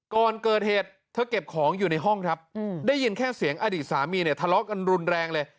ก่อนเกิดเหตุเธอเก็บของอยู่ในห้องครับได้ยินแค่เสียงอดีตสามีเนี่ยทะเลาะกันรุนแรงเลย